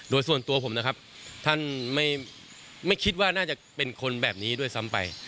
โดยส่วนตัวผมนะครับท่านไม่คิดว่าน่าจะเป็นคนแบบนี้ด้วยซ้ำไป